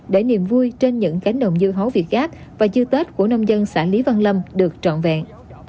để niềm vui trên những cánh đồng dưa hấu việt gác và dư tết của nông dân xã lý văn lâm được trọn vẹn